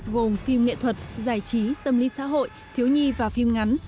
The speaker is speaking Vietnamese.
gồm phim nghệ thuật giải trí tâm lý xã hội thiếu nhi và phim ngắn